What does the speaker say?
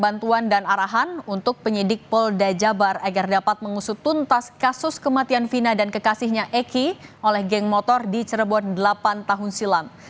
bantuan dan arahan untuk penyidik polda jabar agar dapat mengusut tuntas kasus kematian vina dan kekasihnya eki oleh geng motor di cirebon delapan tahun silam